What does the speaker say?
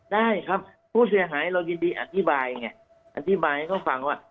ได้ครับผู้เสียหายเรายินดีอธิบายไงอธิบายให้เขาฟังว่า